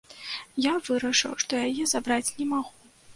Я вырашыў, што яе забраць не магу.